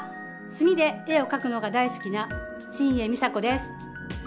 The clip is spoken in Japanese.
墨で絵をかくのが大好きな新恵美佐子です。